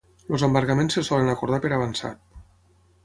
Els embargaments se solen acordar per avançat.